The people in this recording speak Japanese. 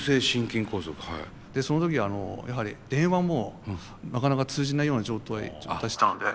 その時やはり電話もなかなか通じないような状態でしたので。